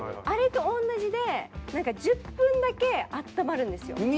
あれと同じで１０分だけあったまるんですよ。